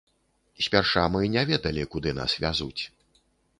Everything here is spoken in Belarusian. Спярша мы не ведалі куды нас вязуць.